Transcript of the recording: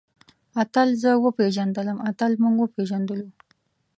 اتل زه وپېژندلم. اتل موږ وپېژندلو.